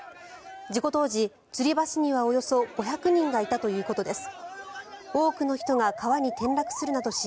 事故当時、つり橋にはおよそ５００人がいたということです。